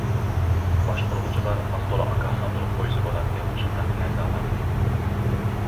باشقۇرغۇچىلار ئاز تولا ئاگاھلاندۇرۇپ قويسا بولاتتى مۇشۇنداق ئەزالارنى.